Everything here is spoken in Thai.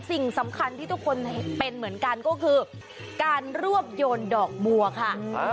สิ่งสำคัญที่ทุกคนเป็นเหมือนกันก็คือการรวบโยนดอกบัวค่ะ